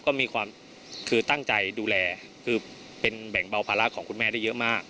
ก็มีความคือตั้งใจดูแลคือเป็นแบ่งเบาภาระของคุณแม่ได้เยอะมาก